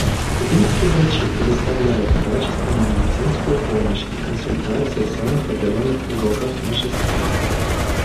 Кубинские врачи предоставляют качественную медицинскую помощь и консультации в самых отдаленных уголках нашей страны.